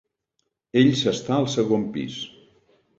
Ell s'està al segon pis.